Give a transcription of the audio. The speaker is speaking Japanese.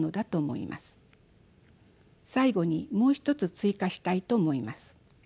最後にもう一つ追加したいと思います。